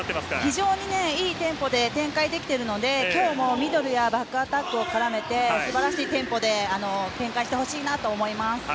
非常にいいテンポで展開できているので今日もミドルやバックアタックを絡めて素晴らしいテンポで展開してほしいと思います。